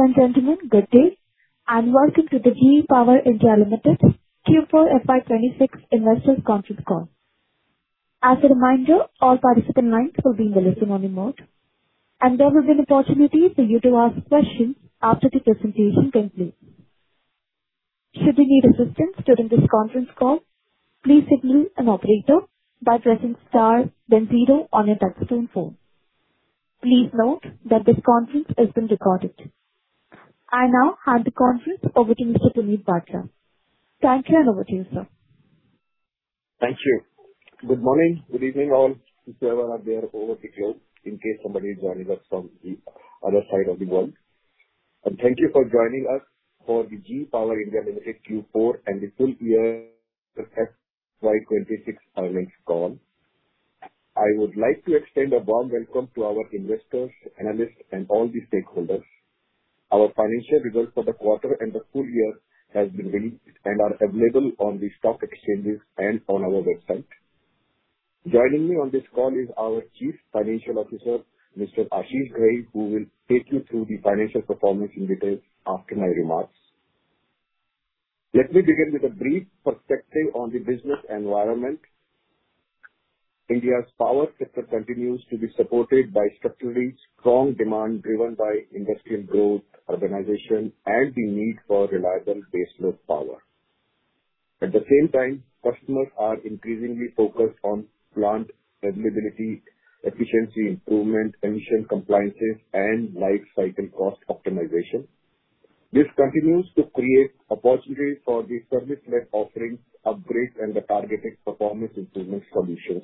Ladies and gentlemen, good day, and welcome to the GE Power India Limited Q4 FY 2026 Investors Conference Call. As a reminder, all participant lines will be in listen-only mode, and there will be an opportunity for you to ask questions after the presentation concludes. Should you need assistance during this conference call, please signal an operator by pressing star then zero on your telephone. Please note that this conference is being recorded. I now hand the conference over to Mr. Puneet Bhatla. Thank you, and over to you, sir. Thank you. Good morning, good evening all, whichever are there over the globe in case somebody is joining us from the other side of the world. Thank you for joining us for the GE Power India Limited Q4 and the full year FY 2026 earnings call. I would like to extend a warm welcome to our investors, analysts, and all the stakeholders. Our financial results for the quarter and the full year has been released and are available on the stock exchanges and on our website. Joining me on this call is our Chief Financial Officer, Mr. Aashish Ghai, who will take you through the financial performance in detail after my remarks. Let me begin with a brief perspective on the business environment. India's power sector continues to be supported by structurally strong demand driven by industrial growth, urbanization, and the need for reliable baseload power. At the same time, customers are increasingly focused on plant availability, efficiency improvement, emission compliances, and life cycle cost optimization. This continues to create opportunities for the service-led offerings, upgrades, and the targeted performance improvement solutions.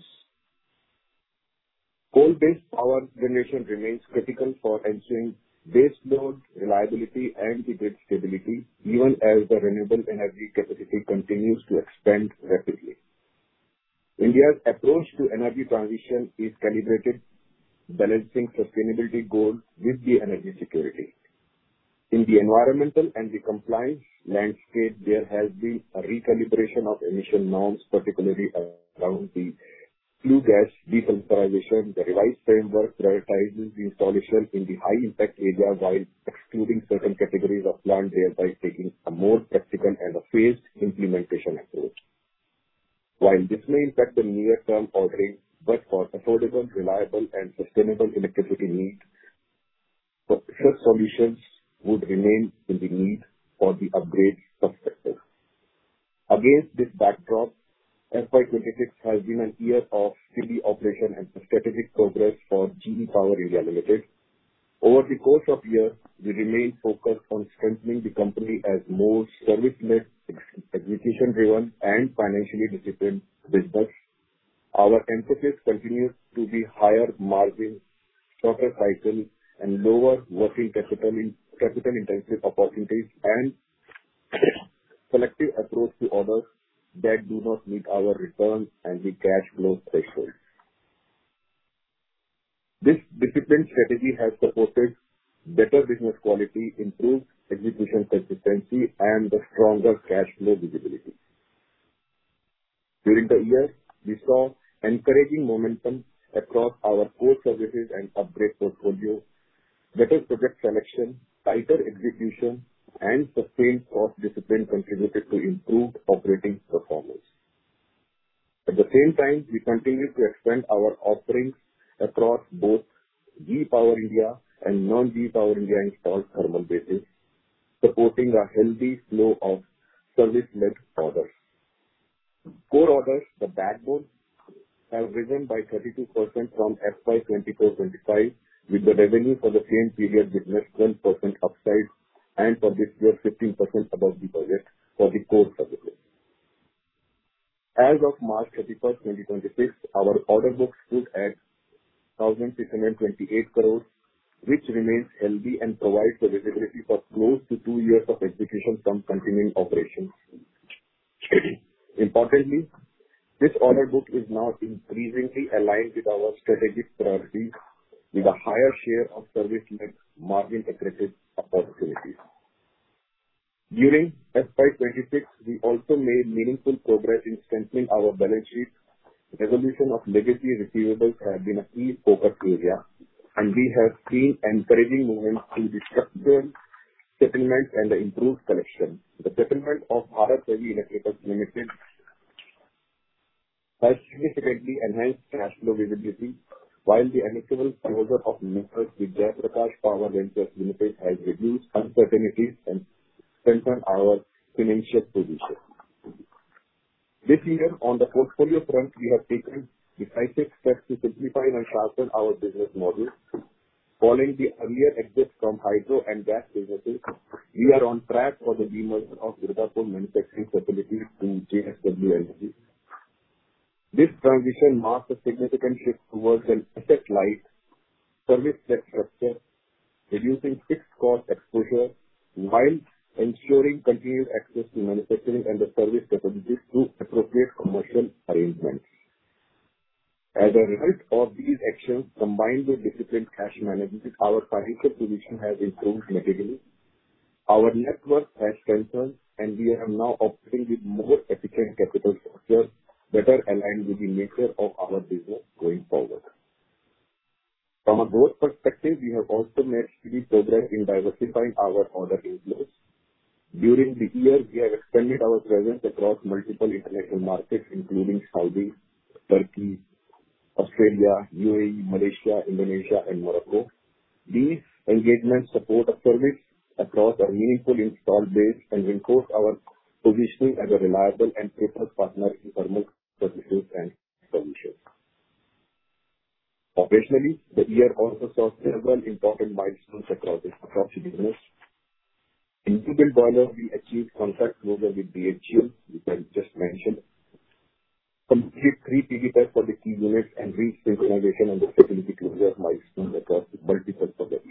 Coal-based power generation remains critical for ensuring baseload reliability and the grid stability, even as the renewable energy capacity continues to expand rapidly. India's approach to energy transition is calibrated, balancing sustainability goals with energy security. In the environmental and the compliance landscape, there has been a recalibration of emission norms, particularly around the flue gas desulphurization, the revised framework prioritizing the installation in the high impact area, while excluding certain categories of plants, thereby taking a more practical and a phased implementation approach. While this may impact the near-term ordering, for affordable, reliable, and sustainable electricity needs, solutions would remain in the need for the upgrade substantive. Against this backdrop, FY 2026 has been a year of steady operation and strategic progress for GE Power India Limited. Over the course of the year, we remained focused on strengthening the company as more service-led, execution-driven, and financially disciplined business. Our emphasis continues to be higher margin, shorter cycles, and lower working capital-intensive opportunities. Selective approach to orders that do not meet our return and the cash flow thresholds. This disciplined strategy has supported better business quality, improved execution consistency, and a stronger cash flow visibility. During the year, we saw encouraging momentum across our core services and upgrade portfolio. Better project selection, tighter execution, and sustained cost discipline contributed to improved operating performance. At the same time, we continue to expand our offerings across both GE Power India and non-GE Power India installed thermal bases, supporting a healthy flow of service-led orders. Core orders, the backbone, have risen by 32% from FY 2024-2025, with the revenue for the same period business 10% upside, and for this year, 15% above the budget for the core services. As of March 31st, 2026, our order book stood at 1,628 crore, which remains healthy and provides the visibility for close to 2 years of execution from continuing operations. This order book is now increasingly aligned with our strategic priorities with a higher share of service-led margin accredited opportunities. During FY 2026, we also made meaningful progress in strengthening our balance sheet. Resolution of legacy receivables has been a key focus area. We have seen encouraging moments through the structural settlement and the improved collection. The settlement of Bharat Heavy Electricals Limited has significantly enhanced cash flow visibility, while the amicable closure of matters with Jaypee Power Ventures Limited has reduced uncertainties and strengthened our financial position. This year, on the portfolio front, we have taken decisive steps to simplify and sharpen our business model. Following the earlier exit from hydro and gas businesses, we are on track for the demerger of Durgapur manufacturing facilities to JSW Energy. This transition marks a significant shift towards an asset-light, service-led structure, reducing fixed cost exposure while ensuring continued access to manufacturing and the service capabilities through appropriate commercial arrangements. As a result of these actions, combined with disciplined cash management, our financial position has improved significantly. Our network has strengthened, and we are now operating with more efficient capital structures that are aligned with the nature of our business going forward. From a growth perspective, we have also made good progress in diversifying our order inflows. During the year, we have expanded our presence across multiple international markets, including Saudi, Turkey, Australia, U.A.E., Malaysia, Indonesia, and Morocco. These engagements support our service across our meaningful install base and reinforce our positioning as a reliable and preferred partner in thermal services and solutions. Operationally, the year also saw several important milestones across the business. In new build boiler, we achieved contract closure with BHEL, which I just mentioned. Completed 3 PG tests for the key units and reached synchronization and the stability closure of milestones across multiple projects.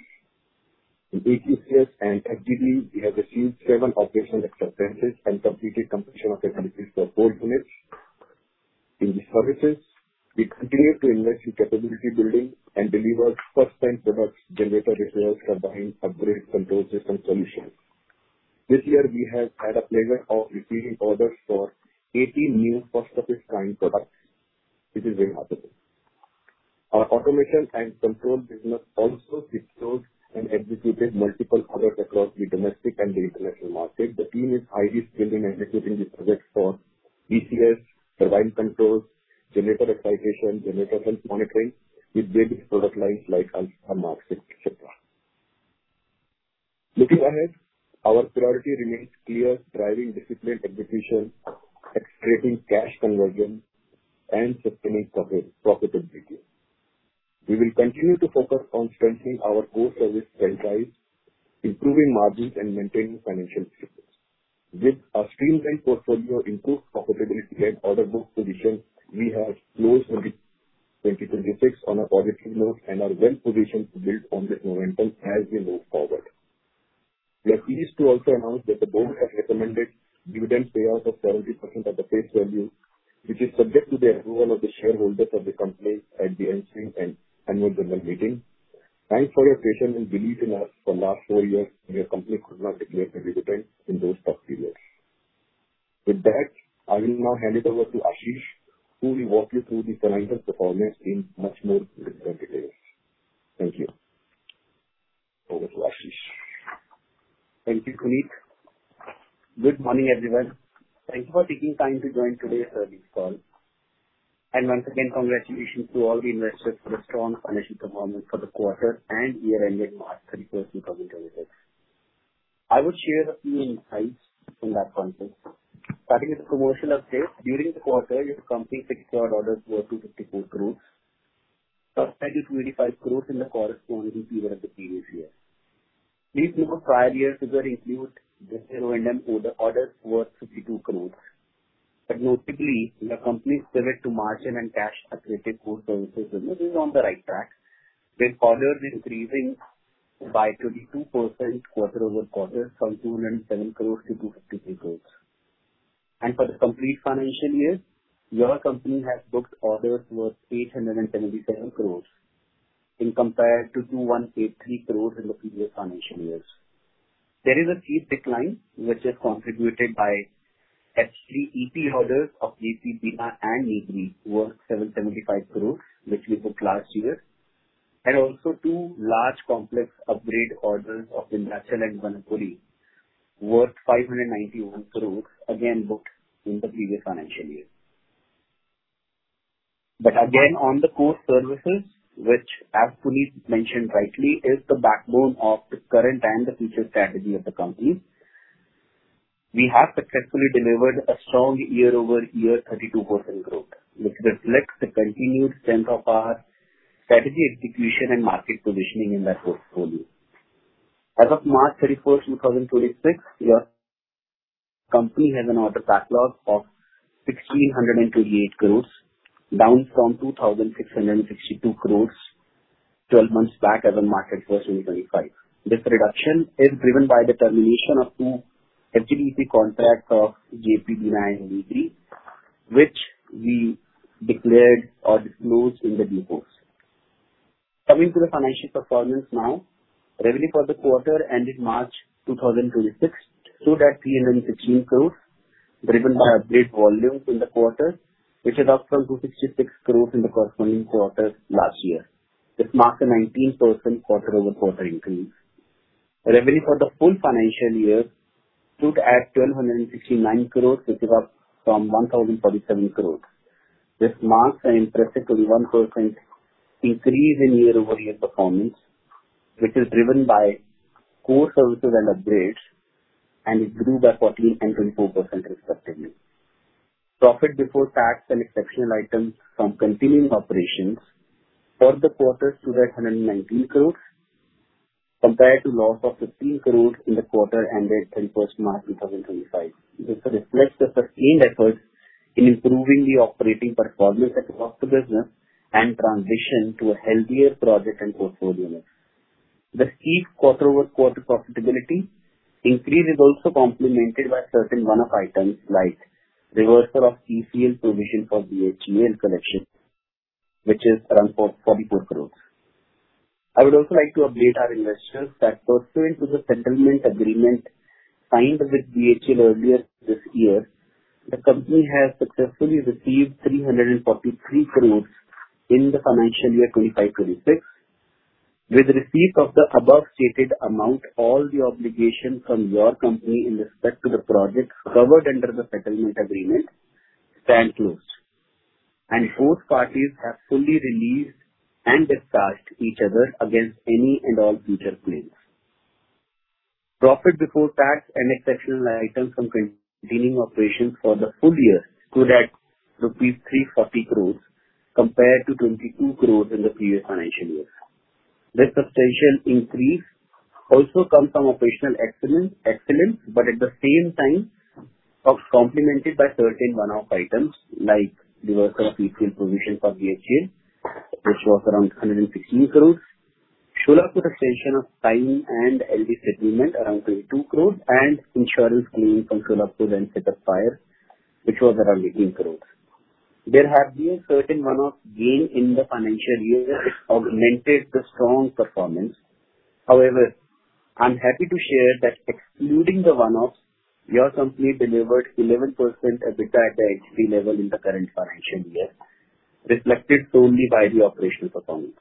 In HTPS and FGD, we have achieved 7 operational acceptances and completed commissioning of utilities for 4 units. In the services, we continued to invest in capability building and delivered first-time products, generator repairs, turbine upgrade control system solutions. This year, we have had a pleasure of receiving orders for 18 new first-of-its-kind products, which is remarkable. Our automation and control business also secured and executed multiple orders across the domestic and the international market. The team is highly skilled in executing the projects for DCS, turbine controls, generator excitation, generator health monitoring with various product lines like Alpha, Mark VI, et cetera. Our priority remains clear, driving disciplined execution, accelerating cash conversion, and sustaining profitability. We will continue to focus on strengthening our core service franchise, improving margins, and maintaining financial discipline. With a streamlined portfolio, improved profitability, and order book position, we have closed 2026 on a positive note and are well-positioned to build on this momentum as we move forward. We are pleased to also announce that the board has recommended dividend payout of 70% of the face value, which is subject to the approval of the shareholders of the company at the ensuing annual general meeting. Thanks for your patience and belief in us for the last four years when your company could not declare the dividend in those tough years. With that, I will now hand it over to Aashish, who will walk you through the financial performance in much more different details. Thank you. Over to Aashish. Thank you, Puneet. Good morning, everyone. Once again, congratulations to all the investors for the strong financial performance for the quarter and year ending March 31st, 2026. I would share a few insights in that context. Starting with the commercial update. During the quarter, your company fixed orders worth 254 crores compared to 25 crores in the corresponding period of the previous year. These numbers prior years further include the zero margin orders worth INR 52 crores. Notably, the company's pivot to margin and cash-accretive core services remains on the right track, with orders increasing by 22% quarter-over-quarter from 207 crores to 253 crores. For the complete financial year, your company has booked orders worth 877 crores compared to 2,183 crores in the previous financial years. There is a steep decline which is contributed by FGD EP orders of Jaiprakash Power Ventures Bina and Nigrie worth 775 crores, which we booked last year, and also two large complex upgrade orders of Vindhyachal and Wanakbori worth 591 crores, again, booked in the previous financial year. Again, on the core services, which as Puneet mentioned rightly, is the backbone of the current and the future strategy of the company. We have successfully delivered a strong year-over-year 32% growth, which reflects the continued strength of our strategy execution and market positioning in that portfolio. As of March 31st, 2026, your company has an order backlog of 1,628 crores, down from 2,662 crores 12 months back as on March 31st, 2025. This reduction is driven by the termination of two FGD EP contracts of Jaiprakash Power Ventures Bina and Nigrie, which we declared or disclosed in the reports. Coming to the financial performance now. Revenue for the quarter ending March 2026 stood at 316 crores, driven by upgrade volumes in the quarter, which is up from 266 crores in the corresponding quarter last year. This marks a 19% quarter-over-quarter increase. Revenue for the full financial year stood at 1,269 crores, which is up from 1,047 crores. This marks an impressive 21% increase in year-over-year performance, which is driven by core services and upgrades, and it grew by 14% and 24%, respectively. Profit before tax and exceptional items from continuing operations for the quarter stood at 119 crores compared to loss of 15 crores in the quarter ended March 31st, 2025. This reflects the sustained efforts in improving the operating performance across the business and transition to a healthier project and portfolio mix. The steep quarter-over-quarter profitability increase is also complemented by certain one-off items like reversal of ECL provision for BHEL collection, which is around 44 crore. I would also like to update our investors that pursuant to the settlement agreement signed with BHEL earlier this year, the company has successfully received 343 crore in the financial year 2025-2026. With receipt of the above stated amount, all the obligations from your company in respect to the projects covered under the settlement agreement stand closed, and both parties have fully released and discharged each other against any and all future claims. Profit before tax and exceptional items from continuing operations for the full year stood at rupees 340 crore compared to 22 crore in the previous financial year. This substantial increase also comes from operational excellence, complemented by certain one-off items like reversal of ECL provision for BHEL, which was around 116 crore, Solapur extension of time and LD settlement around 22 crore, and insurance claim from Solapur and Sipat Fire, which was around 18 crore. There have been certain one-off gain in the financial year which augmented the strong performance. However, I'm happy to share that excluding the one-offs, your company delivered 11% EBITDA at the entity level in the current financial year, reflected solely by the operational performance.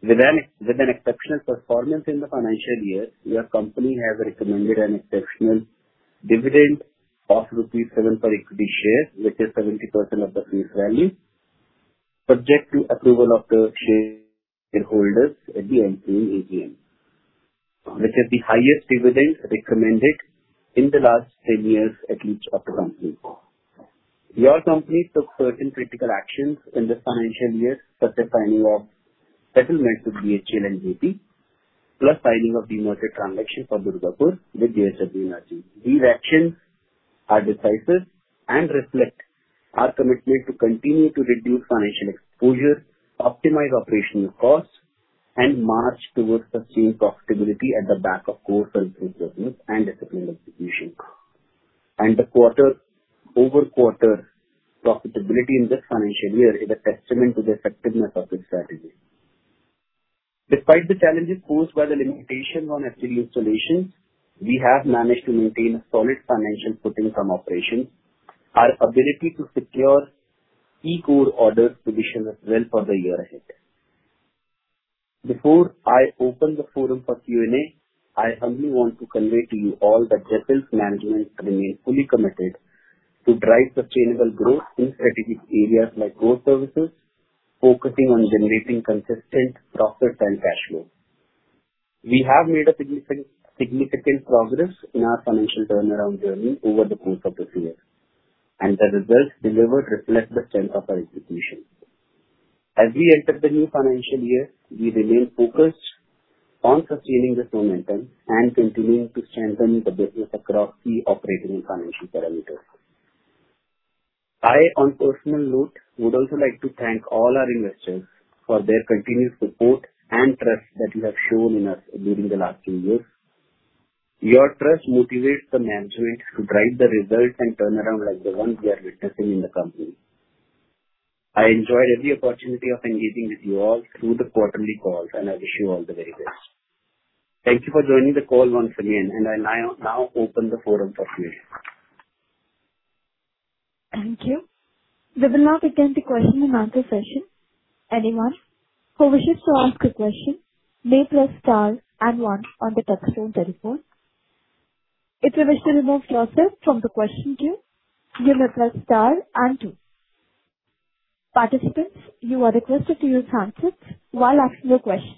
With an exceptional performance in the financial year, your company has recommended an exceptional dividend of rupees 7 per equity share, which is 70% of the face value, subject to approval of the shareholders at the upcoming AGM, which is the highest dividend recommended in the last 10 years at least of the company. Your company took certain critical actions in the financial year, such as signing of settlement with BHEL and JP, plus signing of demerger transaction for Durgapur with JSW Energy. These actions are decisive and reflect our commitment to continue to reduce financial exposure, optimize operational costs, and march towards sustained profitability at the back of core services business and disciplined execution. The quarter-over-quarter profitability in this financial year is a testament to the effectiveness of this strategy. Despite the challenges posed by the limitations on HBU installations, we have managed to maintain a solid financial footing from operations. Our ability to secure key core orders positions us well for the year ahead. Before I open the forum for Q&A, I only want to convey to you all that GEPIL's management remains fully committed to drive sustainable growth in strategic areas like core services, focusing on generating consistent profits and cash flow. We have made a significant progress in our financial turnaround journey over the course of this year, the results delivered reflect the strength of our execution. As we enter the new financial year, we remain focused on sustaining this momentum and continuing to strengthen the business across key operating and financial parameters. I, on personal note, would also like to thank all our investors for their continued support and trust that you have shown in us during the last few years. Your trust motivates the management to drive the results and turnaround like the ones we are witnessing in the company. I enjoy every opportunity of engaging with you all through the quarterly calls, I wish you all the very best. Thank you for joining the call once again, I now open the forum for Q&A. Thank you. We will now begin the question and answer session. Anyone who wishes to ask a question may press star and one on the telephone keypad. If you wish to remove yourself from the question queue, you may press star and two. Participants, you are requested to use handsets while asking your question.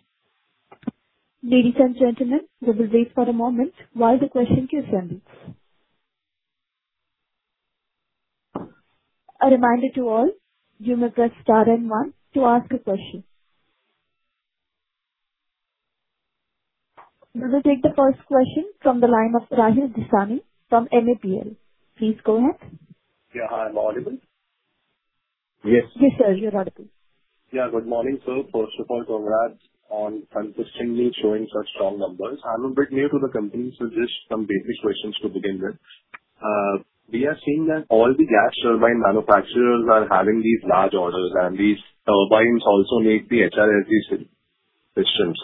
Ladies and gentlemen, we will wait for a moment while the question queues end. A reminder to all, you may press star and one to ask a question. We will take the first question from the line of Rahil Dasani from MAPL. Please go ahead. Yeah. Hi, am I audible? Yes. Yes, sir. You're audible. Yeah. Good morning, sir. First of all, congrats on consistently showing such strong numbers. I'm a bit new to the company, so just some basic questions to begin with. We are seeing that all the gas turbine manufacturers are having these large orders, and these turbines also make the HRSG systems.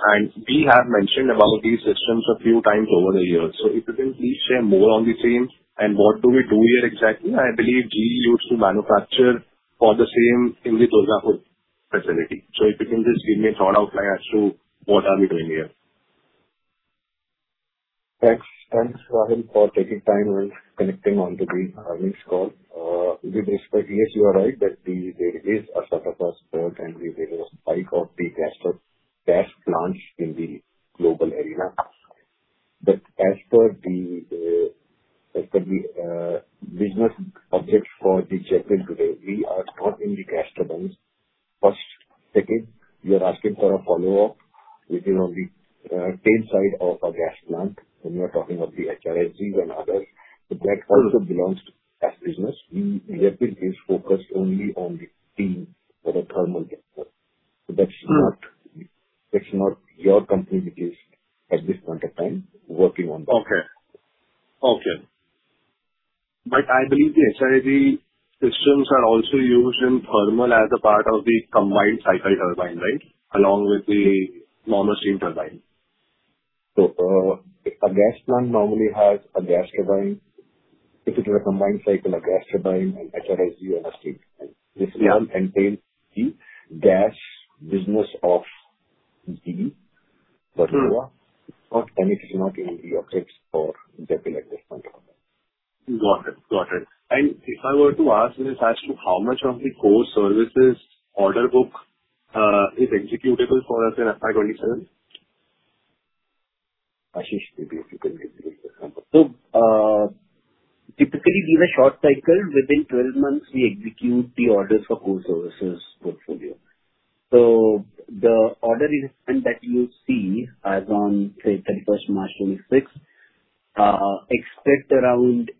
We have mentioned about these systems a few times over the years. If you can please share more on the same, and what do we do here exactly? I believe GE used to manufacture for the same in the Durgapur facility. If you can just give me a thought outline as to what are we doing here. Thanks. Thanks, Rahil, for taking time and connecting on to the earnings call. With respect, yes, you are right that there is a sort of a surge, and there is a spike of the gas plants in the global arena. As per the business objects for the GPIL today, we are not in the gas turbines per se. We are asking for a follow-up, which is on the tail side of a gas plant when we are talking of the HRSGs and others. That also belongs to gas business. GPIL is focused only on the steam for the thermal sector. That's not- It's not your company which is at this point of time working on that. Okay. I believe the HRSG systems are also used in thermal as a part of the combined cycle turbine, right? Along with the normal steam turbine. A gas plant normally has a gas turbine. If it is a combined cycle, a gas turbine and HRSG and a steam turbine. Yeah. This will contain the gas business of GE Power. It is not in the offsets for GE at this point of time. Got it. If I were to ask, as to how much of the core services order book is executable for us in FY 2027? Aashish, maybe if you can give the example. Typically these are short cycle. Within 12 months, we execute the orders for core services portfolio. The order in hand that you see as on, say, 31st March 2026, expect around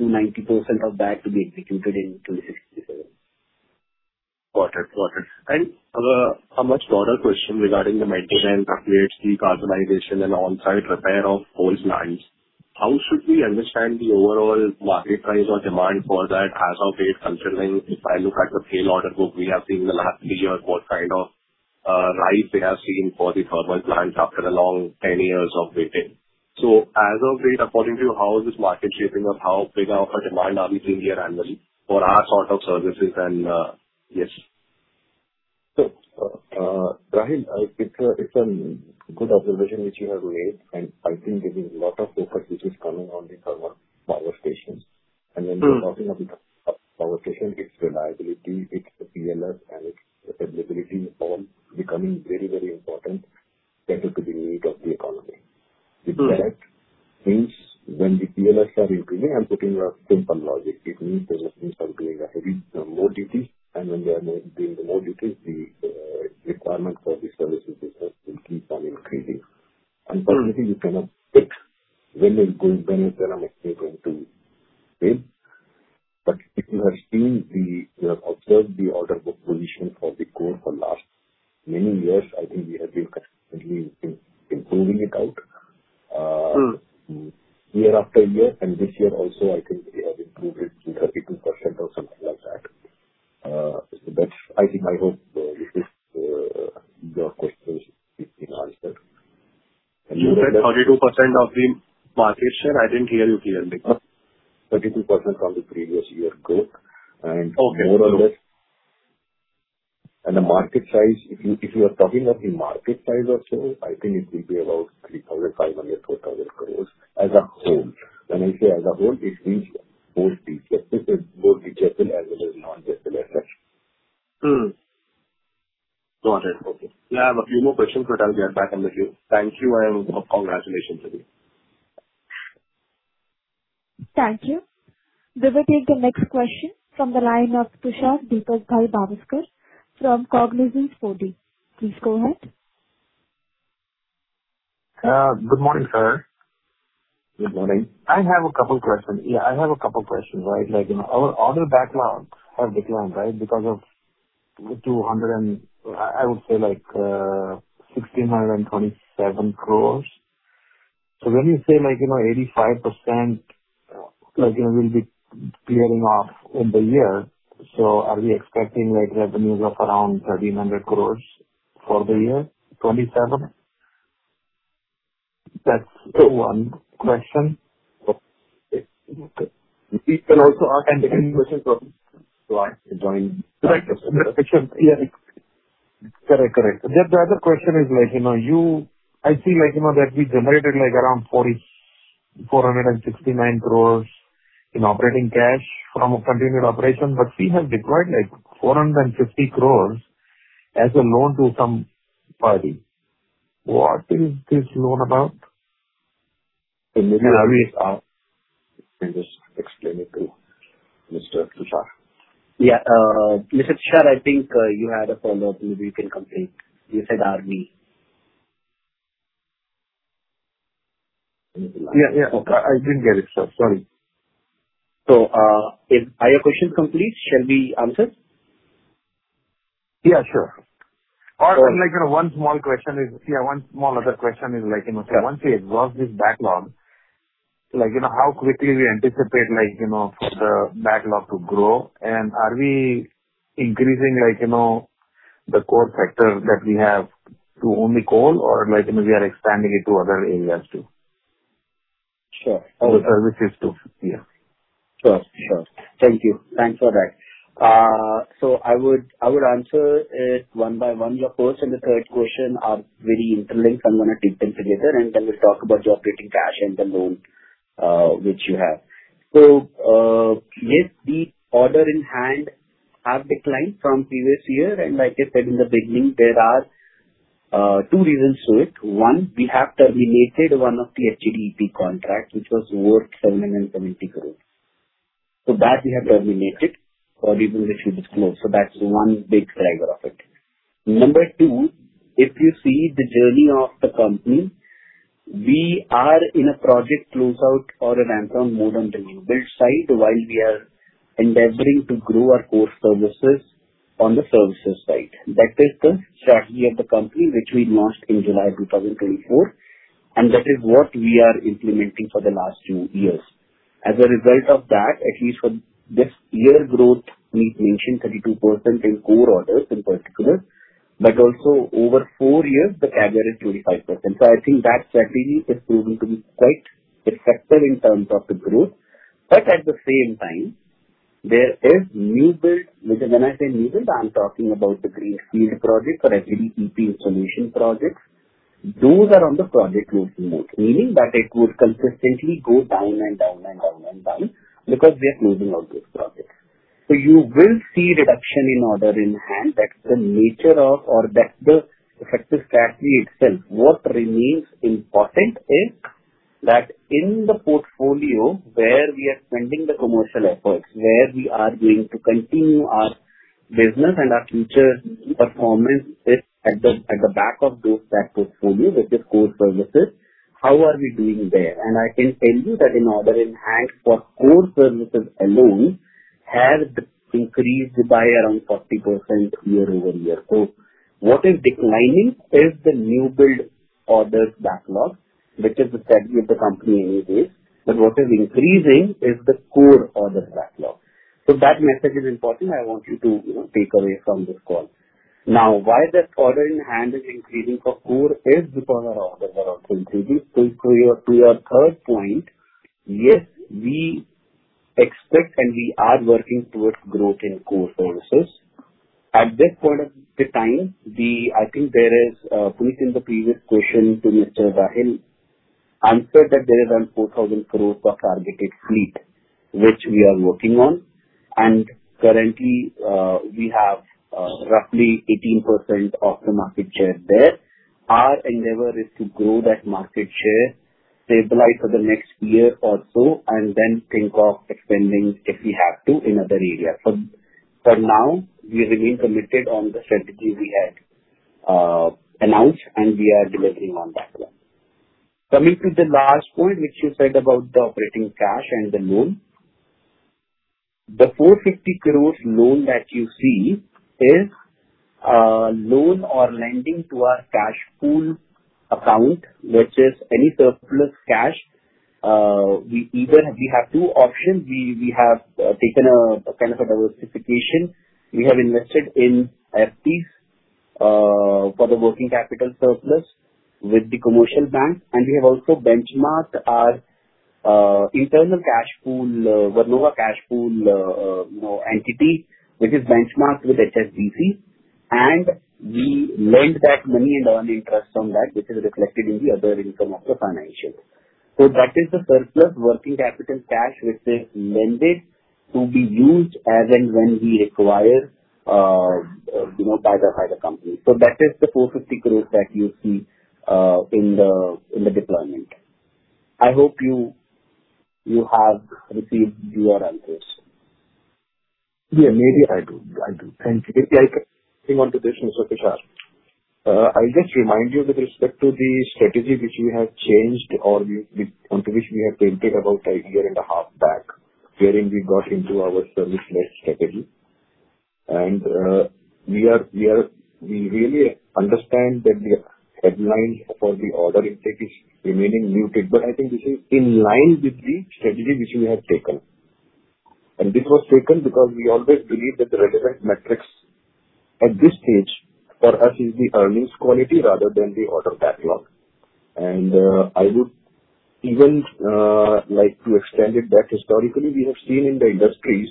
85%-90% of that to be executed in 2026, 2027. Got it. A much broader question regarding the maintenance upgrades, the customization and onsite repair of old plants. How should we understand the overall market size or demand for that as of date considering if I look at the tail order book we have seen in the last three years, what kind of rise we have seen for the thermal plants after a long 10 years of waiting. As of date, according to you, how is this market shaping up? How big of a demand are we seeing here annually for our sort of services and, yes. Rahil, it's a good observation which you have raised, and I think there is a lot of focus which is coming on the thermal power stations. When we're talking of the power station, its reliability, its PLF and its availability are becoming very important cater to the need of the economy. Correct. With that, since when the PLFs are increasing, I am putting a simple logic. It means the units are doing a heavy, more duty. When they are doing more duties, the requirement for the services itself will keep on increasing. Unfortunately, you cannot pick when there is good benefit and when you are going to pay. If you have observed the order book position for the core for last many years, I think we have been consistently improving it out. Year after year, this year also, I think we have improved it to 32% or something like that. I think, I hope your question is answered. You said 32% of the market share? I did not hear you clearly. 32% from the previous year growth. Okay, sure. The market size, if you are talking of the market size or so, I think it will be about 3,500 crore-4,000 crore as a whole. When I say as a whole, it means both the GE as well as non-GE assets. Mm-hmm. Got it. Okay. I have a few more questions. I'll get back on with you. Thank you and congratulations again. Thank you. We will take the next question from the line of Tushar Deepakbhai Bhavsar from Cognizant 4D. Please go ahead. Good morning, sir. Good morning. I have a couple questions. Order backlogs have declined, right, because of, I would say like 1,627 crores. When you say 85% will be clearing off in the year, are we expecting revenues of around 1,300 crores for the year 2027? That's one question. We can also ask the same question from line if you are in. Correct. The other question is, I see that we generated around 469 crores in operating cash from continued operation, but we have deployed 450 crores as a loan to some party. What is this loan about? Maybe Aashish can just explain it to Mr. Tushar. Yeah. Mr. Tushar, I think you had a follow-up. Maybe you can complete. You said [Army]. Yeah. I didn't get it, sir. Sorry. Are your questions complete? Shall we answer? Yeah, sure. Also, one small other question is, once we exhaust this backlog, how quickly we anticipate for the backlog to grow? Are we increasing the core sector that we have to only coal or we are expanding it to other areas too? Sure. The services too. Yeah. Sure. Thank you. Thanks for that. I would answer it one by one. Your first and the third question are very interlinked, so I am going to take them together, and then we will talk about your operating cash and the loan which you have. Yes, the order in hand have declined from previous year. Like I said in the beginning, there are two reasons to it. One, we have terminated one of the FGD EP contracts which was worth 770 crore. That we have terminated for the reason which we disclosed. That is one big driver of it. Number two, if you see the journey of the company, we are in a project close out or a ramp-down mode on the renewable side while we are endeavoring to grow our core services on the services side. That is the strategy of the company, which we launched in July 2024, and that is what we are implementing for the last two years. As a result of that, at least for this year, growth we mentioned 32% in core orders in particular, but also over four years the CAGR is 35%. I think that strategy has proven to be quite effective in terms of the growth. At the same time, there is new build. When I say new build, I am talking about the greenfield project for FGD EP installation projects. Those are on the project loading mode, meaning that it would consistently go down and down and down and down because we are closing out those projects. You will see reduction in order in hand. That is the nature of, or that is the effective strategy itself. What remains important is that in the portfolio where we are spending the commercial efforts, where we are going to continue our business and our future performance is at the back of those portfolio, which is core services. How are we doing there? I can tell you that in order in hand for core services alone has increased by around 40% year-over-year. What is declining is the new build orders backlog, which is the strategy of the company anyways. What is increasing is the core order backlog. That message is important. I want you to take away from this call. Why that order in hand is increasing for core is because our orders are also increasing. To your third point, yes, we expect and we are working towards growth in core services. At this point of the time, I think there is, putting the previous question to Mr. Rahil answered that there is around 4,000 crore for targeted fleet, which we are working on and currently we have roughly 18% of the market share there. Our endeavor is to grow that market share, stabilize for the next year or so, and then think of expanding if we have to in other areas. For now, we remain committed on the strategy we had announced, and we are delivering on that one. Coming to the last point, which you said about the operating cash and the loan. The 450 crore loan that you see is a loan or lending to our cash pool account, which is any surplus cash. We have two options. We have taken a kind of a diversification. We have invested in FDs for the working capital surplus with the commercial banks, and we have also benchmarked our internal cash pool, Vernova cash pool entity, which is benchmarked with HSBC, and we lend that money and earn interest on that, which is reflected in the other income of the financials. That is the surplus working capital cash which is lended to be used as and when we require by the company. That is the 450 crore that you see in the deployment. I hope you have received your answers. Yeah, maybe I do. Thank you. If I can add one more thing on to this, Mr. Tushar. I'll just remind you with respect to the strategy which we have changed or onto which we have painted about a year and a half back wherein we got into our service-led strategy. We really understand that the headlines for the order intake is remaining muted. I think this is in line with the strategy which we have taken. This was taken because we always believe that the relevant metrics at this stage for us is the earnings quality rather than the order backlog. I would even like to extend it back historically. We have seen in the industries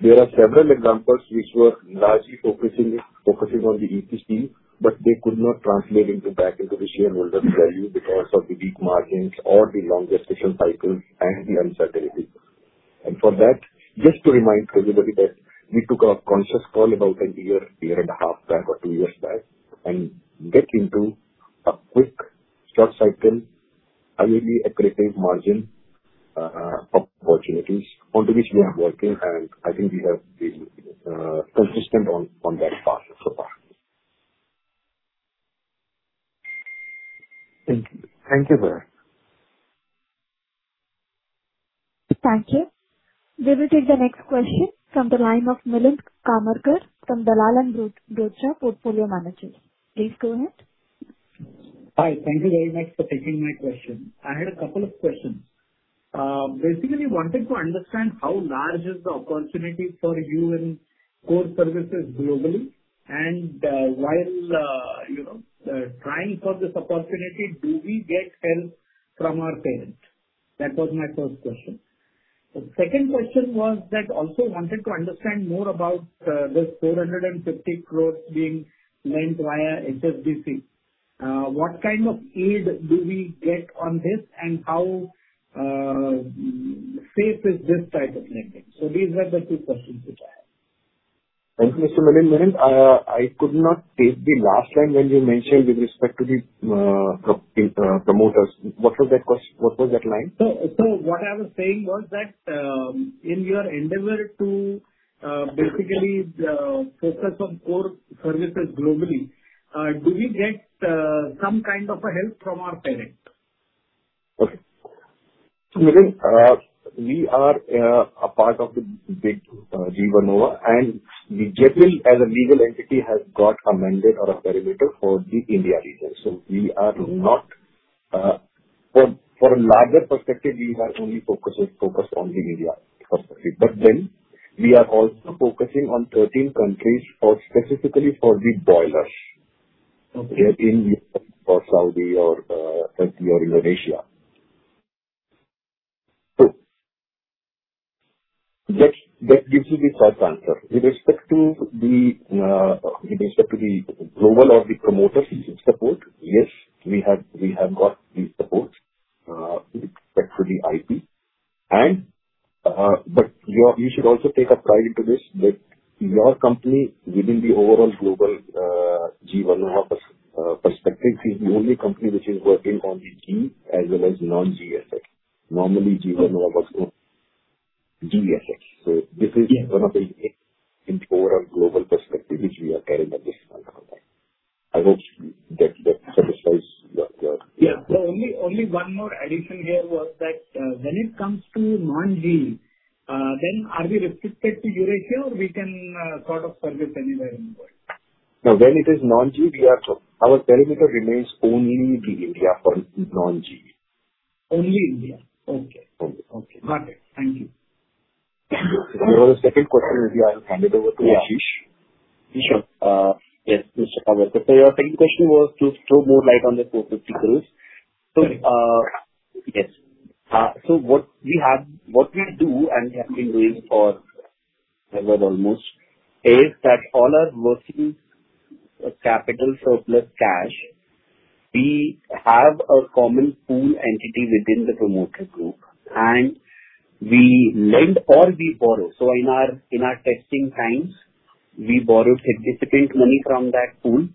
there are several examples which were largely focusing on the EPC, but they could not translate back into the shareholder value because of the weak margins or the longer decision cycles and the uncertainty. For that, just to remind everybody that we took a conscious call about a year and a half back or two years back and get into a quick short cycle, highly accretive margin opportunities onto which we are working. I think we have been consistent on that path so far. Thank you, sir. Thank you. We will take the next question from the line of Milind Karmarkar from Dalal & Broacha, Portfolio Manager. Please go ahead. Hi. Thank you very much for taking my question. I had a couple of questions. Basically wanted to understand how large is the opportunity for you in core services globally and while trying for this opportunity, do we get help from our parent? That was my first question. The second question was that also wanted to understand more about this 450 crore being lent via HSBC. What kind of aid do we get on this and how safe is this type of lending? These were the two questions which I have. Thank you, Mr. Milind. I could not take the last line when you mentioned with respect to the promoters. What was that line? What I was saying was that in your endeavor to basically focus on core services globally, do we get some kind of a help from our parent? We are a part of the big GE Vernova, GEPIL as a legal entity has got a mandate or a perimeter for the India region. For a larger perspective, we are only focused on the India perspective, we are also focusing on 13 countries specifically for the boilers. Okay. Be it in Saudi or Turkey or Indonesia. That gives you the first answer. With respect to the global or the promoter's support, yes, we have got the support with respect to the IP. You should also take a pride into this, that your company, within the overall global GE Vernova perspective, is the only company which is working on the GE as well as non-GSX. Normally, GE Vernova works on GSX. This is one of the overall global perspective, which we are carrying additional component. I hope that satisfies your. Only one more addition here was that, when it comes to non-GE, are we restricted to Eurasia or we can sort of service anywhere in the world? No, when it is non-G, we are too. Our perimeter remains only the India for non-G. Only India. Okay. Only. Okay. Got it. Thank you. Your second question, maybe I'll hand it over to Aashish. Sure. Yes. Your second question was to throw more light on the 450 crores. Right. Yes. What we do, and have been doing forever almost, is that all our mercy capital surplus cash, we have a common pool entity within the promoter group, and we lend or we borrow. In our testing times, we borrowed significant money from that pool,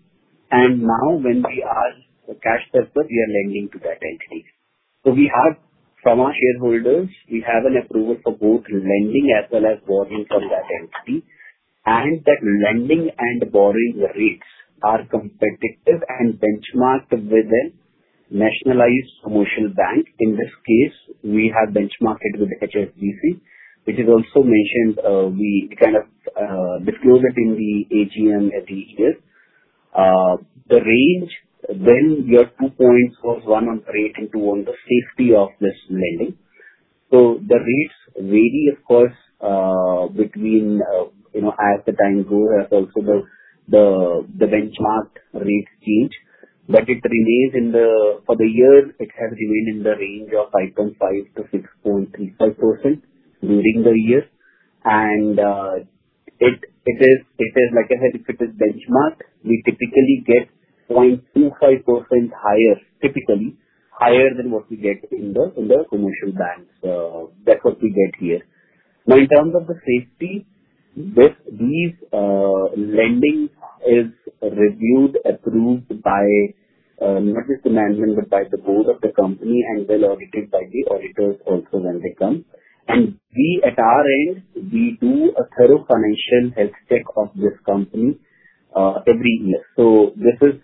and now when we are the cash surplus, we are lending to that entity. From our shareholders, we have an approval for both lending as well as borrowing from that entity, and that lending and borrowing rates are competitive and benchmarked with a nationalized commercial bank. In this case, we have benchmarked with HSBC, which is also mentioned. We kind of disclose it in the AGM every year. The range, when we are two points, was one on rating to one, the safety of this lending. The rates vary, of course, as the time goes, as also the benchmark rates change. For the years, it has remained in the range of 5.5% to 6.35% during the year. Like I said, if it is benchmarked, we typically get 0.25% higher, typically higher than what we get in the commercial banks. That's what we get here. In terms of the safety, these lendings is reviewed, approved by not just the management, but by the board of the company and well audited by the auditors also when they come. We, at our end, we do a thorough financial health check of this company every year. This is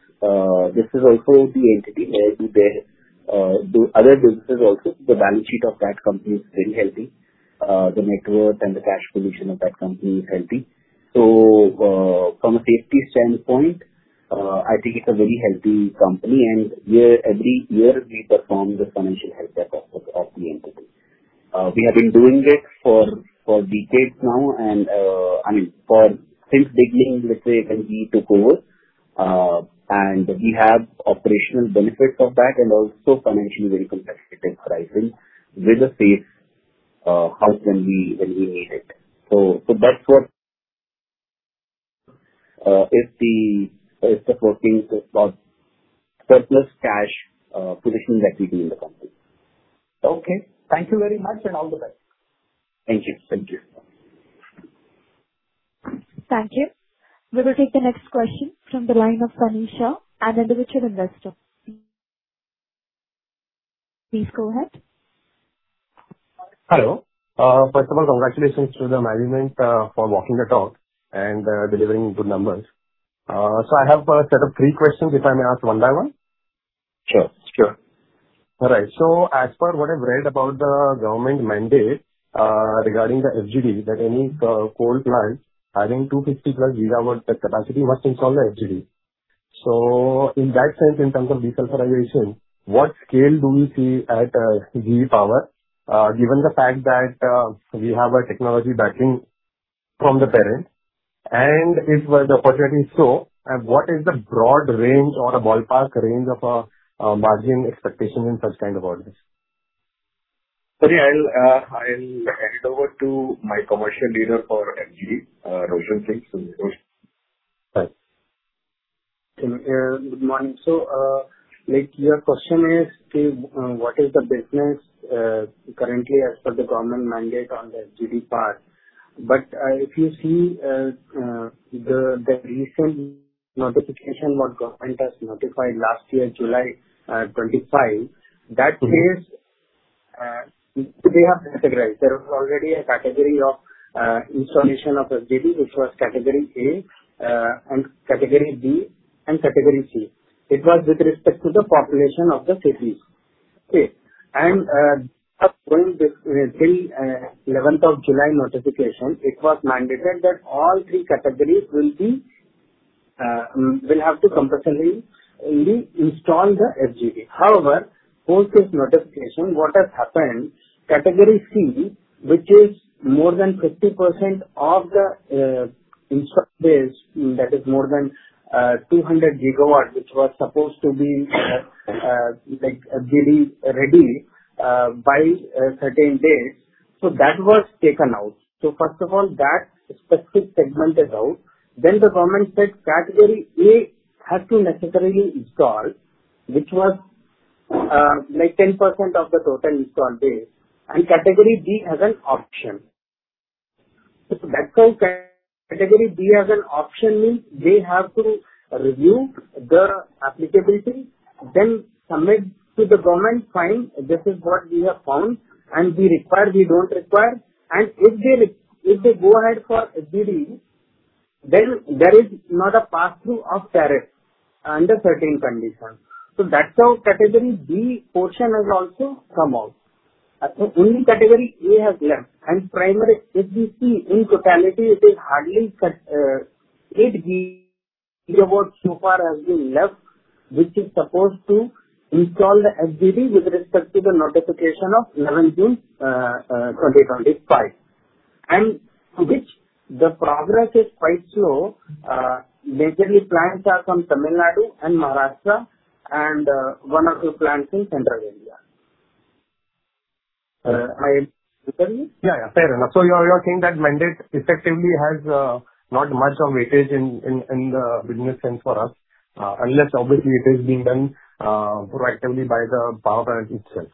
also the entity, maybe they do other businesses also. The balance sheet of that company is very healthy. The net worth and the cash position of that company is healthy. From a safety standpoint, I think it's a very healthy company, and every year we perform this financial health check of the entity. We have been doing it for decades now, since beginning, let's say, when GE took over. We have operational benefits of that and also financially very competitive pricing with a safe house when we need it. That's what is the working surplus cash position that we do in the company. Okay. Thank you very much and all the best. Thank you. Thank you. Thank you. We will take the next question from the line of Sunny Shah, an individual investor. Please go ahead. Hello. First of all, congratulations to the management for walking the talk and delivering good numbers. I have a set of three questions, if I may ask one by one. Sure. All right. As per what I've read about the government mandate regarding the FGD, that any coal plant having 250 plus gigawatt capacity must install the FGD. In that sense, in terms of desulfurization, what scale do you see at GE Power, given the fact that we have a technology backing from the parent, and if the opportunity is so, what is the broad range or a ballpark range of a margin expectation in such kind of orders? Sorry, I'll hand it over to my commercial leader for FGD, Roshan Singh. Roshan. Hi. Good morning. Your question is, what is the business currently as per the government mandate on the FGD part. If you see the recent notification what government has notified last year, July 25, that says. They have categorized. There was already a category of installation of FGD, which was category A, category B, and category C. It was with respect to the population of the cities. Till 11th of July notification, it was mandated that all three categories will have to compulsorily install the FGD. However, post this notification, what has happened, category C, which is more than 50% of the installed base, that is more than 200 gigawatts, which was supposed to be FGD-ready by certain dates. That was taken out. First of all, that specific segment is out. The government said category A has to necessarily install, which was 10% of the total installed base, category B has an option. That's how category B has an option, means they have to review the applicability, then submit to the government, "Fine, this is what we have found, and we require, we don't require." If they go ahead for FGD, then there is not a passthrough of tariff under certain conditions. That's how category B portion has also come out. Only category A has left, and primary FGD in totality, it is hardly eight gigawatts so far has been left, which is supposed to install the FGD with respect to the notification of 11th June 2025, and which the progress is quite slow. Majorly, plants are from Tamil Nadu and Maharashtra and one or two plants in central India. Am I clear? Fair enough. You're saying that mandate effectively has not much of weightage in the business sense for us, unless obviously it is being done proactively by the power plant itself.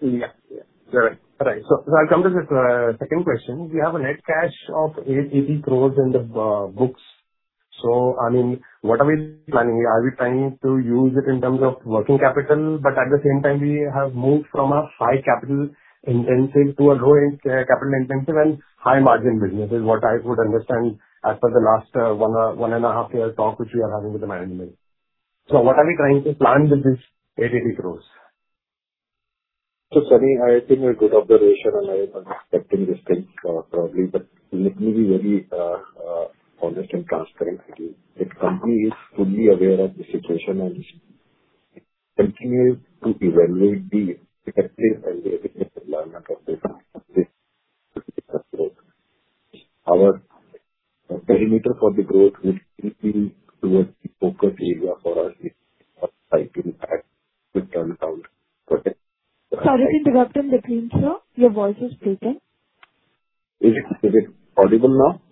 Yeah. Correct. I'll come to the second question. We have a net cash of 880 crores in the books. What are we planning? Are we planning to use it in terms of working capital? At the same time, we have moved from a high capital intensive to a low capital intensive and high margin business, is what I would understand as per the last one and a half years talk which we are having with the management. What are we trying to plan with this INR 880 crores? Sunny, I think a good observation, and I was expecting this thing, probably, but let me be very honest and transparent with you. The company is fully aware of the situation and it continues to evaluate the effective and efficient alignment of this growth. Our perimeter for the growth will still be towards the focus area for us this cycle as we turn it out. Correct? Sorry to interrupt on the team, sir. Your voice is breaking. Is it audible now?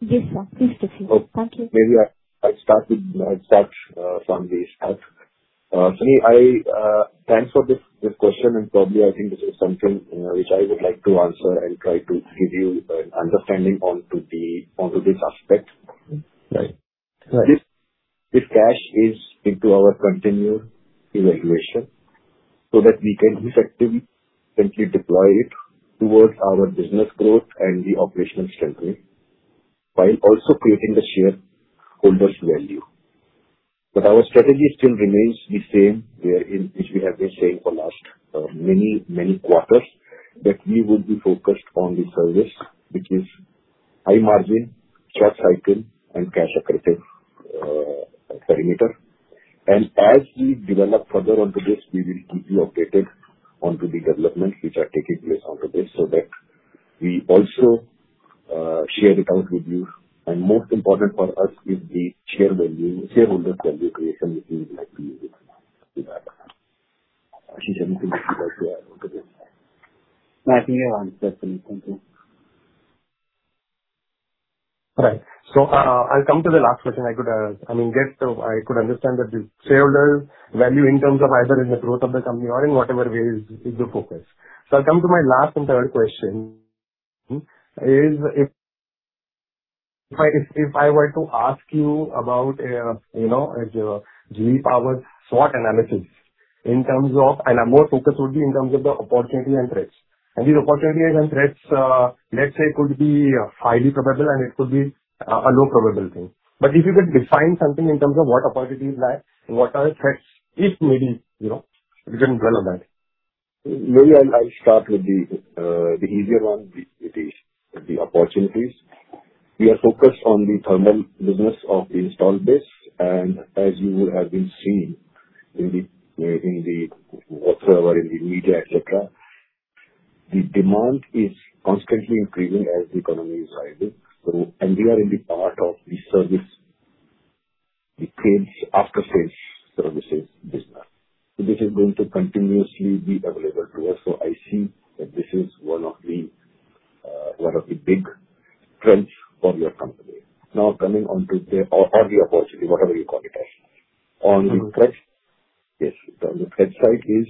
Yes, sir. Please proceed. Thank you. Okay. Maybe I start from the start. Sunny, thanks for this question. Probably, I think this is something which I would like to answer and try to give you an understanding onto this aspect. Right. This cash is into our continued evaluation so that we can effectively deploy it towards our business growth and the operational strength, while also creating the shareholders' value. Our strategy still remains the same, which we have been saying for last many quarters, that we would be focused on the service, which is high margin, short cycle, and cash accretive perimeter. As we develop further onto this, we will keep you updated onto the developments which are taking place onto this, so that we also share it out with you. Most important for us is the shareholder value creation, which we would like to have. I think that answers your question. Right. I'll come to the last question. I could understand that the shareholder value in terms of either in the growth of the company or in whatever way is the focus. I'll come to my last and third question. If I were to ask you about GE Power SWOT analysis, more focus would be in terms of the opportunity and threats. These opportunities and threats, let's say, could be highly probable, and it could be a low probable thing. If you could define something in terms of what opportunities lie, what are the threats, if any, we can develop that. Maybe I'll start with the easier one, which is the opportunities. We are focused on the thermal business of the installed base, as you would have been seeing in the whatsoever in the media, et cetera, the demand is constantly increasing as the economy is rising. We are in the part of the service, the pre-sales, after-sales services business. This is going to continuously be available to us. I see that this is one of the big strengths for your company. Coming on to the or the opportunity, whatever you call it as. On the threats, yes. The threat side is,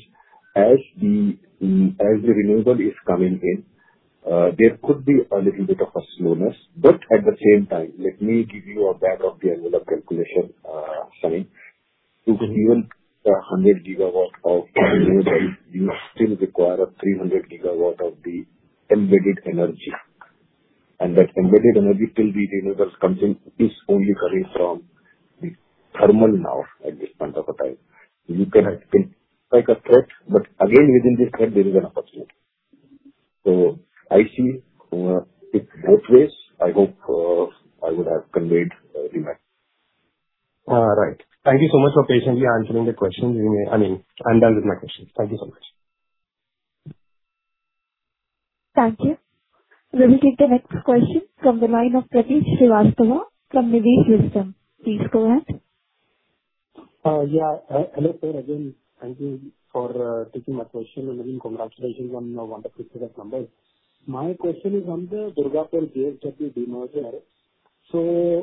as the renewable is coming in, there could be a little bit of a slowness. At the same time, let me give you a back-of-the-envelope calculation, Sunny. You can even, the 100 gigawatts of renewable, you still require a 300 gigawatt of the embedded energy. That embedded energy till the renewables come in is only coming from the thermal now at this point of a time. You can, I think, like a threat, but again, within this threat, there is an opportunity. I see it both ways. I hope I would have conveyed the same. Right. Thank you so much for patiently answering the questions. I'm done with my questions. Thank you so much. Thank you. We'll take the next question from the line of Prateek Srivastava from NB System. Please go ahead. Yeah. Hello, sir. Again, thank you for taking my question, and again, congratulations on your wonderful set of numbers. My question is on the Durgapur GEW demerger.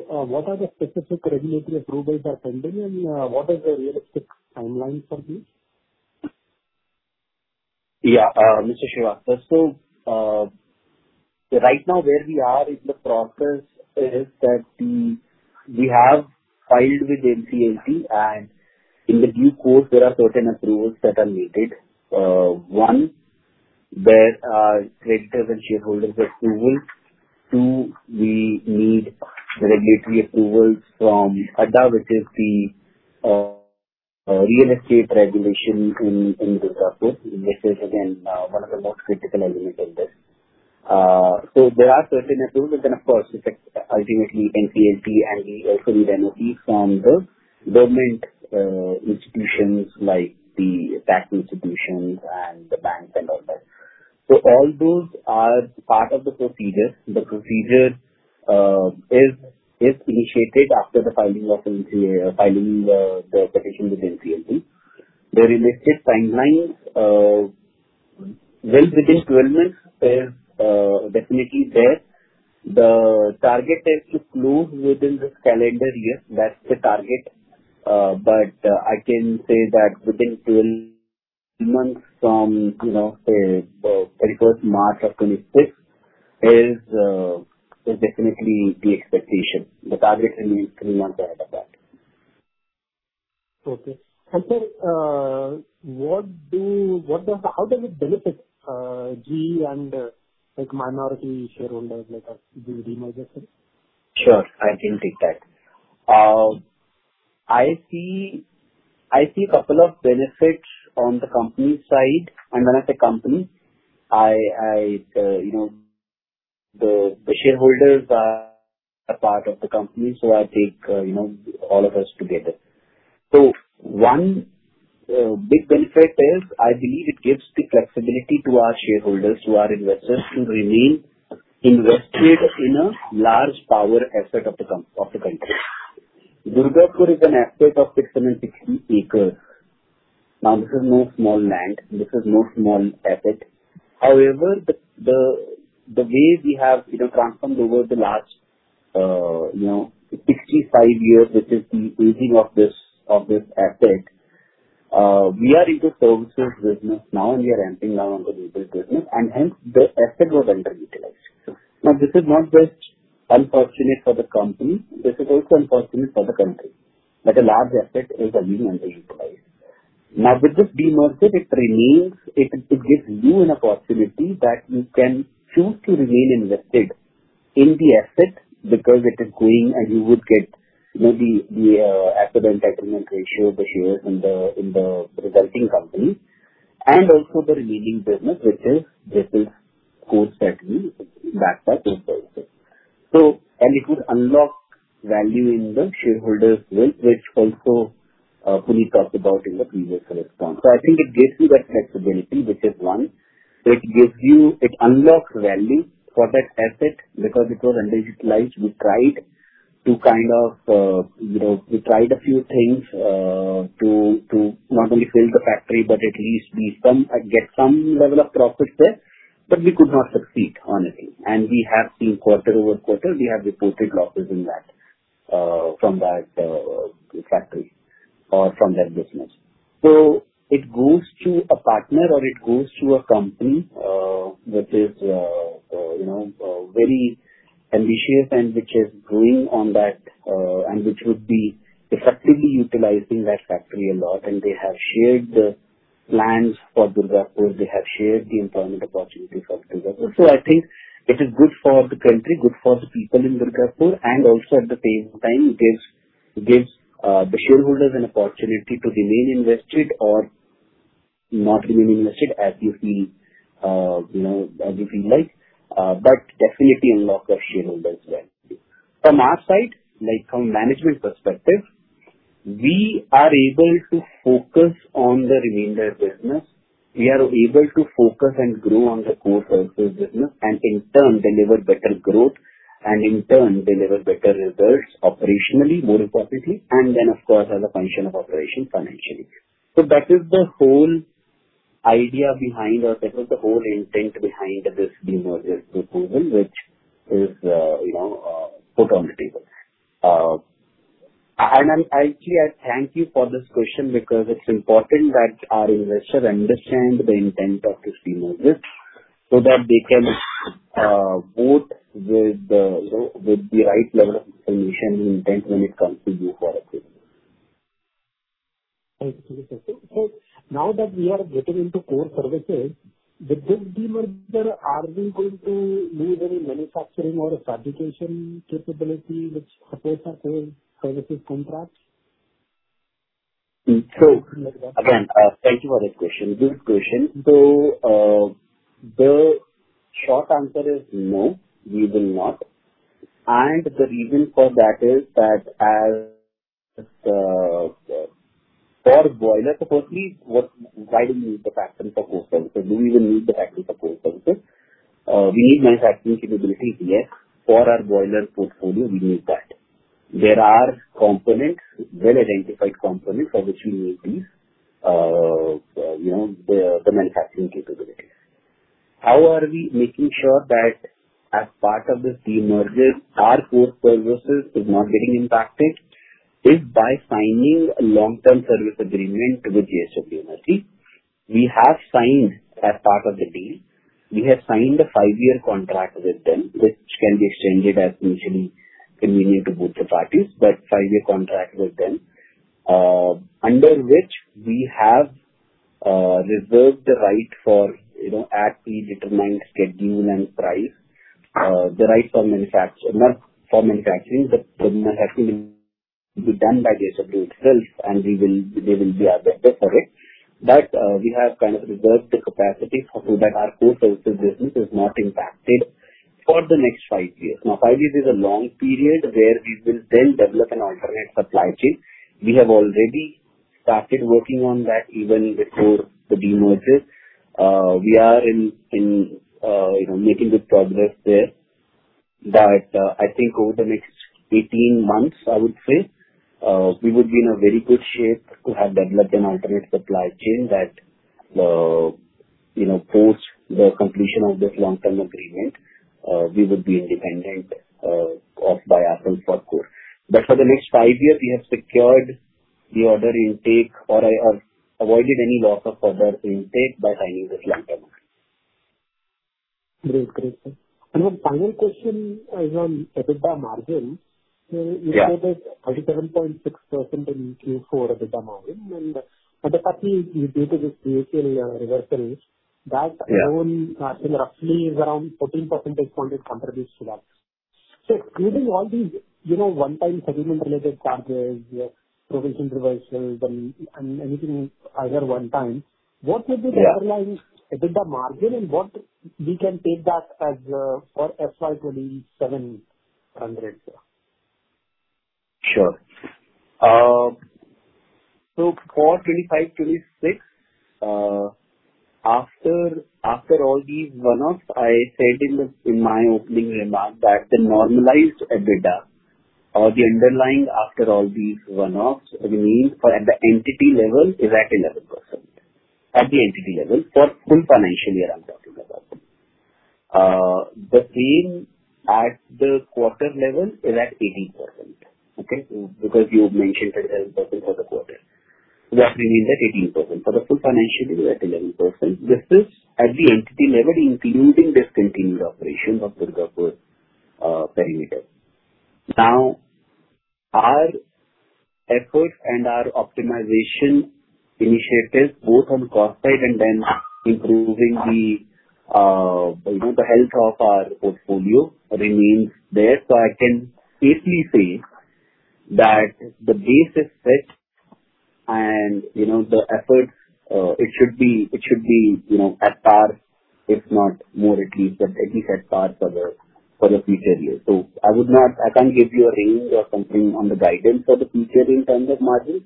What are the specific regulatory approvals that are pending, and what is the realistic timeline for this? Yeah. Mr. Srivastava. Right now where we are in the process is that we have filed with NCLT. In the due course, there are certain approvals that are needed. One, where creditors' and shareholders' approval. Two, we need regulatory approval from ADDA, which is the real estate regulation in Durgapur. This is again one of the most critical elements of this. There are certain approvals. Then of course, ultimately, NCLT. We also need NOC from the government institutions like the tax institutions and the banks and all that. All those are part of the procedure. The procedure is initiated after the filing the petition with NCLT. The realistic timeline, well within 12 months is definitely there. The target is to close within this calendar year. That's the target. I can say that within 12 months from, say, 31st March of 2026 is definitely the expectation. The target is 3 months ahead of that. Okay. Sir, how does it benefit GE and minority shareholders, like this demerger thing? Sure, I can take that. I see couple of benefits on the company side. When I say company, the shareholders are a part of the company, I take all of us together. One big benefit is, I believe it gives the flexibility to our shareholders who are investors to remain invested in a large power asset of the country. Durgapur is an asset of 660 acres. This is no small land, this is no small asset. However, the way we have transformed over the last 65 years, which is the aging of this asset, we are into services business now, and we are ramping now on the business, and hence the asset was underutilized. This is not just unfortunate for the company, this is also unfortunate for the country that a large asset is again underutilized. With this demerger, it remains. It gives you an opportunity that you can choose to remain invested in the asset because it is growing, and you would get maybe the asset entitlement ratio of the shares in the resulting company, and also the remaining business, which is this is of course that we backed by GE Power. It would unlock value in the shareholders' wealth, which also Puneet talked about in the previous response. I think it gives you that flexibility, which is one. It unlocks value for that asset because it was underutilized. We tried a few things to not only fill the factory, but at least get some level of profits there, but we could not succeed on it. We have seen quarter-over-quarter, we have reported losses from that factory or from that business. It goes to a partner or it goes to a company which is very ambitious and which is growing on that and which would be effectively utilizing that factory a lot. They have shared the plans for Durgapur, they have shared the employment opportunities of Durgapur. I think it is good for the country, good for the people in Durgapur, and also at the same time, it gives the shareholders an opportunity to remain invested or not remain invested as you feel like. Definitely unlock the shareholders' value. From our side, from management perspective, we are able to focus on the remainder business. We are able to focus and grow on the core services business, and in turn deliver better growth, and in turn deliver better results operationally, more profitably, and then, of course, as a function of operation financially. That is the whole idea behind or that was the whole intent behind this demerger proposal, which is put on the table. Actually, I thank you for this question because it's important that our investors understand the intent of this demerger so that they can vote with the right level of information when it comes to due for approval. Thank you, sir. Now that we are getting into core services, with this demerger, are we going to need any manufacturing or fabrication capability which supports our core services contracts? Again, thank you for this question. Good question, though the short answer is no, we will not. The reason for that is that as for boiler, supposedly, why do we need a factory for core services? Do we even need a factory for core services? We need manufacturing capabilities, yes. For our boiler portfolio, we need that. There are well-identified components for which we need these manufacturing capabilities. How are we making sure that as part of this demerger, our core services is not getting impacted, is by signing a long-term service agreement with GE Vernova. We have signed as part of the deal. We have signed a 5-year contract with them, which can be extended as mutually convenient to both the parties. A 5-year contract with them, under which we have reserved the right for at pre-determined schedule and price, the right for manufacture. Not for manufacturing will be done by JSW itself and they will be our vendor for it. We have reserved the capacity so that our core services business is not impacted for the next five years. Five years is a long period where we will then develop an alternate supply chain. We have already started working on that even before the demerger. We are making good progress there. I think over the next 18 months, I would say, we would be in a very good shape to have developed an alternate supply chain that post the completion of this long-term agreement we would be independent of Durgapur for core. For the next five years, we have secured the order intake or avoided any loss of order intake by signing this long-term agreement. Very great, sir. One final question is on EBITDA margin. Yeah. You said that 37.6% in Q4 EBITDA margin apparently due to this ECL reversal, that alone. Yeah I think roughly is around 14 percentage points contributes to that. Excluding all these one-time settlement-related charges, provision reversals, and anything either one time, what will be. Yeah the underlying EBITDA margin and what we can take that as for FY 2027 run rate? Sure. For FY 2025-2026, after all these one-offs, I said in my opening remarks that the normalized EBITDA or the underlying after all these one-offs remains at the entity level is at 11%. At the entity level for the full financial year I'm talking about. The same at the quarter level is at 18%. Okay? Because you've mentioned it as % for the quarter. That remains at 18%. For the full financial year at 11%. This is at the entity level including discontinued operation of Durgapur perimeter. Our efforts and our optimization initiatives both on cost side and then improving the health of our portfolio remains there. I can safely say that the base is set and the efforts it should be at par, if not more at least, but at least at par for the future years. I can't give you a range or something on the guidance for the future in terms of margin,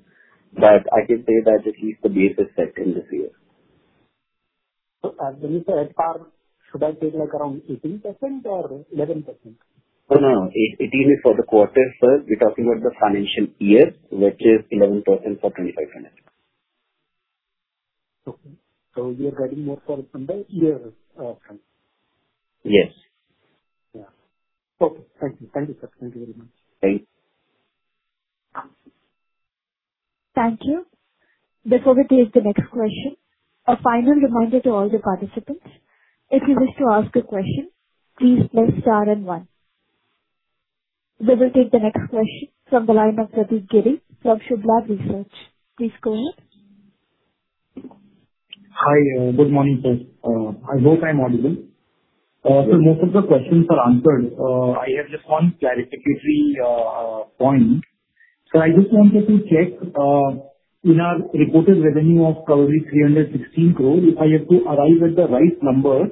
but I can say that at least the base is set in this year. As you said, at par, should I take around 18% or 11%? No, 18% is for the quarter. Sir, we're talking about the financial year, which is 11% for FY 2025-2026. Okay. We are guiding more for the number year outcome. Yes. Yeah. Okay. Thank you, sir. Thank you very much. Thank you. Thank you. Before we take the next question, a final reminder to all the participants. If you wish to ask a question, please press star and one. We will take the next question from the line of Prateek Giri from Subh Labh Research. Please go ahead. Hi. Good morning, sir. I hope I'm audible. Most of the questions are answered. I have just one clarificatory point. I just wanted to check, in our reported revenue of probably 316 crores, if I have to arrive at the right number,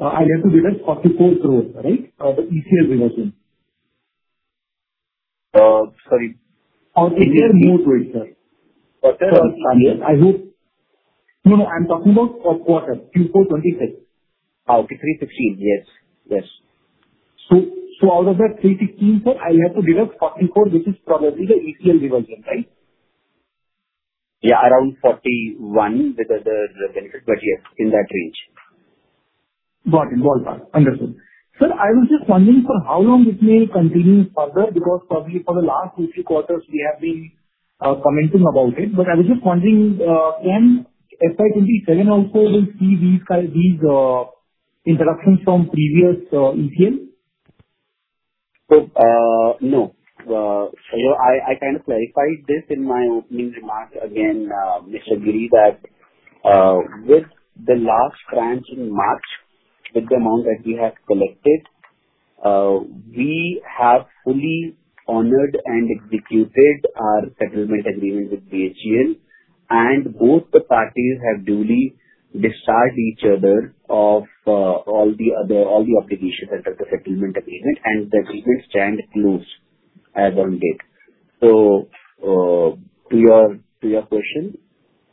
I'll have to deduct 44 crores, right? For the ECL reversion. Sorry. Our ECL reversion. What quarter, sir? I hope No, I'm talking about a quarter, Q4 26. Okay. INR 315. Yes. Out of that 315, sir, I'll have to deduct 44, which is probably the ECL reversion, right? Yeah, around 41 with the benefit. Yes, in that range. Got it. Understood. Sir, I was just wondering for how long this may continue further because probably for the last few quarters we have been commented about it. I was just wondering, can FY 2027 also will see these interruptions from previous ECL? No. I clarified this in my opening remarks again, Mr. Giri, that with the last tranche in March, with the amount that we have collected, we have fully honored and executed our settlement agreement with BHEL. Both the parties have duly discharged each other of all the obligations under the settlement agreement. The agreements stand closed as on date. To your question,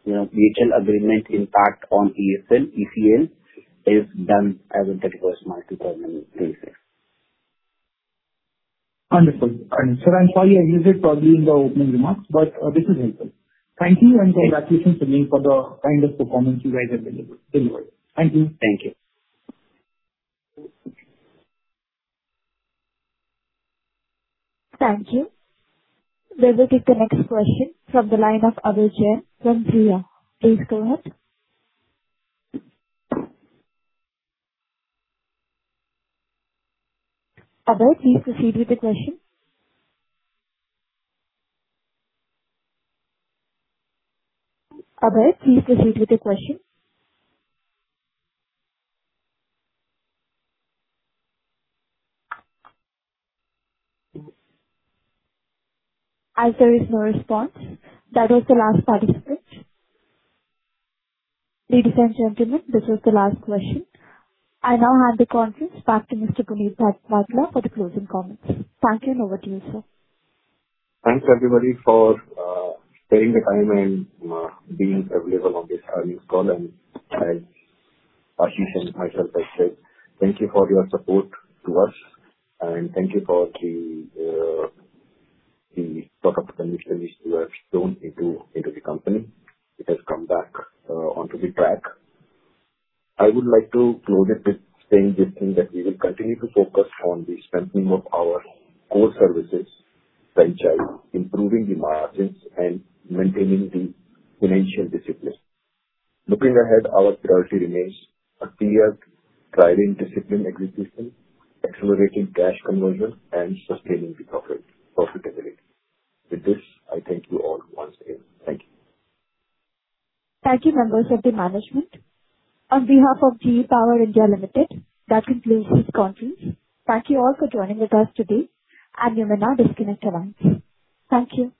BHEL agreement impact on ECL is done as of 31st March 2023. Wonderful. Sir, I'm sorry I missed it probably in the opening remarks. This is helpful. Thank you and congratulations again for the kind of performance you guys have delivered. Thank you. Thank you. Thank you. We will take the next question from the line of Abhay Jain from Jiya. Please go ahead. Abhay, please proceed with the question. Abhay, please proceed with the question. As there is no response, that is the last participant. Ladies and gentlemen, this was the last question. I now hand the conference back to Mr. Puneet Bhatla for the closing comments. Thank you. Over to you, sir. Thanks everybody for sparing the time and being available on this earnings call. Aashish and myself, I said thank you for your support to us and thank you for the stock appreciation which you have shown into the company. It has come back onto the track. I would like to close it with saying this thing, that we will continue to focus on the strengthening of our core services franchise, improving the margins and maintaining the financial discipline. Looking ahead, our priority remains a clear driving discipline acquisition, accelerating cash conversion, and sustaining the profitability. With this, I thank you all once again. Thank you. Thank you, members of the management. On behalf of GE Power India Limited, that concludes this conference. Thank you all for joining with us today, you may now disconnect your lines. Thank you.